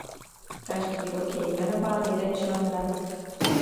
Každý rok je jmenován jeden člen Rady.